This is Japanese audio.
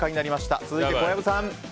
続いては小籔さん。